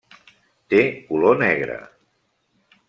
Té color negre.